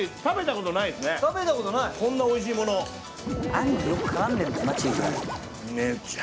あんによく絡んでるんだよなチーズが。